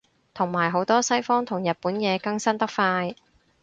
同埋好多西方同日本嘢更新得快